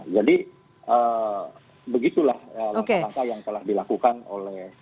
jadi begitulah langkah langkah yang telah dilakukan oleh